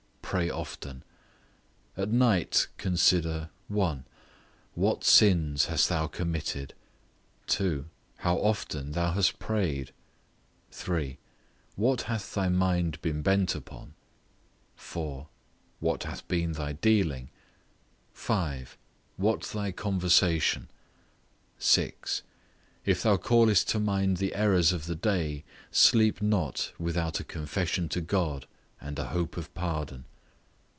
Pray often. At night consider, 1. What sins thou hast committed; 2. How often thou hast prayed; 3. What hath thy mind been bent upon; 4. What hath been thy dealing; 5. What thy conversation; 6. If thou callest to mind the errors of the day, sleep not without a confession to God, and a hope of pardon.